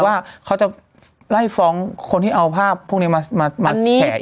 เพราะว่าเขาจะไล่ฟ้องคนที่เอาภาพพวกนี้มาแสนอีกรอบนึงเนี่ย